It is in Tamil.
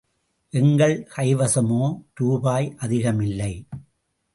எங்கள் கைவசமோ ரூபாய் அதிகமில்லை.